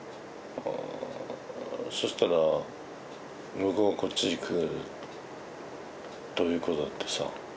そしたら向こうがこっちに来るということだってさ。